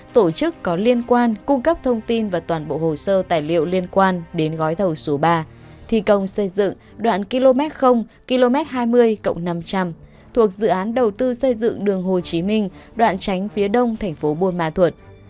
tổ chức có liên quan cung cấp thông tin và toàn bộ hồ sơ tài liệu liên quan đến gói thầu số ba thi công xây dựng đoạn km hai mươi năm trăm linh thuộc dự án đầu tư xây dựng đường hồ chí minh đoạn tránh phía đông thành phố buôn ma thuật